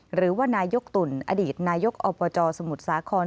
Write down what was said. หรือว่านายกตุ่นอดีตนายกอบจสมุทรสาคร